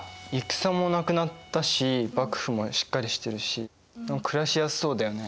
戦もなくなったし幕府もしっかりしてるし暮らしやすそうだよね。